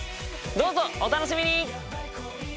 どうぞお楽しみに！